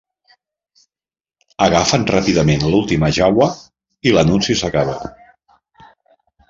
Agafen ràpidament l'última Jawa i l'anunci acaba.